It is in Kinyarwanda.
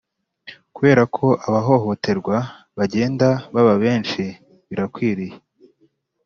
Kubera ko abahohoterwa bagenda baba benshi birakwiriye